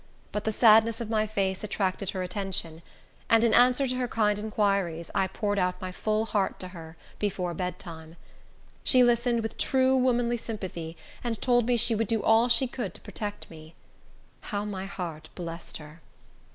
But the sadness of my face attracted her attention, and, in answer to her kind inquiries, I poured out my full heart to her, before bed time. She listened with true womanly sympathy, and told me she would do all she could to protect me. How my heart blessed her!